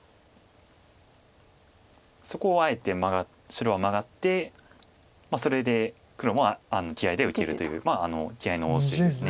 そこをあえて白はマガってそれで黒も気合いで受けるという気合いの応酬です。